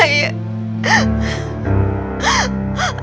ayah tidak bisa